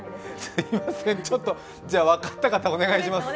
すいません、分かった方、お願いします。